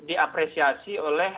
dan diapresiasi oleh